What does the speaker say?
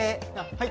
はい。